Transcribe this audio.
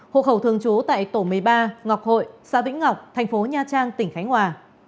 hộ khẩu thường trú tại tổ một mươi ba ngọc hội xã vĩnh ngọc thành phố nha trang tỉnh khánh hòa